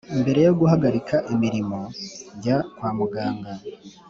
mbere yo guhagarika imirimo jya kwamuganga